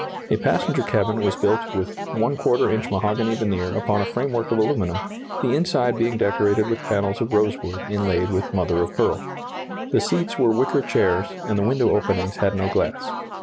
A passenger cabin was built with ¼ inch mahogany veneer upon a framework of aluminum, the inside being decorated with panels of rosewood inlaid with mother of pearl. The seats were wicker chairs, and the window openings had no glass.